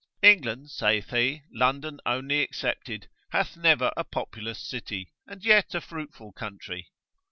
England, saith he, London only excepted, hath never a populous city, and yet a fruitful country.